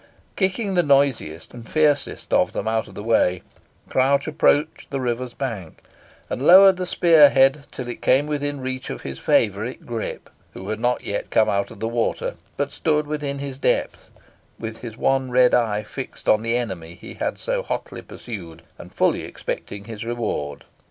Kicking the noisiest and fiercest of them out of the way, Crouch approached the river's brink, and lowered the spear head till it came within reach of his favourite Grip, who had not yet come out of the water, but stood within his depth, with his one red eye fixed on the enemy he had so hotly pursued, and fully expecting his reward.